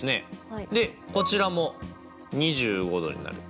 でこちらも２５°になる。